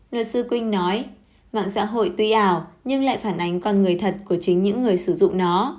luật sư quynh nói mạng xã hội tuy ảo nhưng lại phản ánh con người thật của chính những người sử dụng nó